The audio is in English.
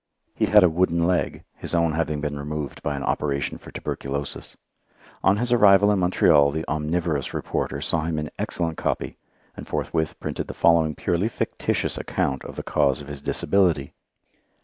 He had a wooden leg, his own having been removed by an operation for tuberculosis. On his arrival in Montreal the omnivorous reporter saw in him excellent copy, and forthwith printed the following purely fictitious account of the cause of his disability.